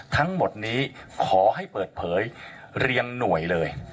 ทั้งหมดนี้ขอให้เปิดเผยเรียงหน่วยเลย